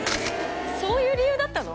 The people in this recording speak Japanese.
そういう理由だったの？